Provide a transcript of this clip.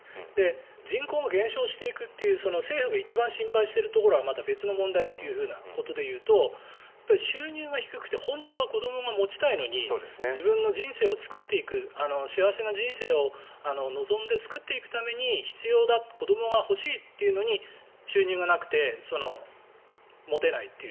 人口が減少していくという政府が一番心配しているところはまた別の問題ということでいうと収入が低くて本当は子どもが持ちたいのに自分の人生を作っていく幸せな人生を望んで作っていくために必要だ子どもが欲しいというのに収入がなくて持てないという。